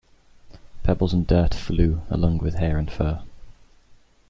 Pebbles and dirt flew along with hair and fur.